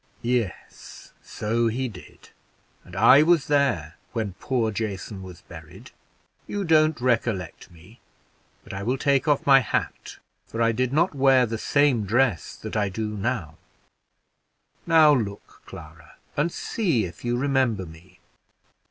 "Yes, so he did, and I was there when poor Jason was buried. You don't recollect me. But I will take off my hat, for I did not wear the same dress that I do now. Now look, Clara, and see if you remember me."